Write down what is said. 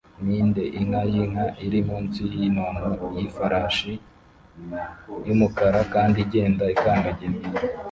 Ninde! Inka yinka iri munsi yinono yifarashi yumukara kandi igenda ikandagira